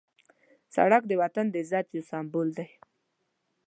سړک د وطن د عزت یو سمبول دی.